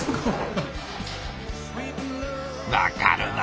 分かるな。